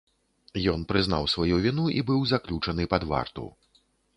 Ён прызнаў сваю віну і быў заключаны пад варту.